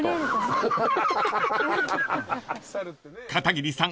［片桐さん